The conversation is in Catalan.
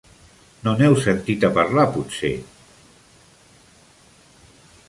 No n'heu sentit a parlar, potser?